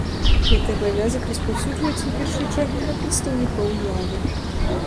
Гэты абавязак распаўсюджваецца, у першую чаргу, на прадстаўнікоў улады.